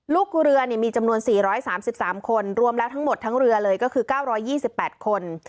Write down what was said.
ลูกเรือมีจำนวน๔๓๓คนรวมแล้วทั้งหมดทั้งเรือเลยก็คือ๙๒๘คน